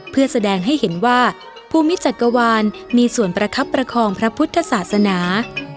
เพื่อแสดงให้เห็นว่าภูมิจักรวาลมีส่วนประคับประคองพระพุทธศาสนา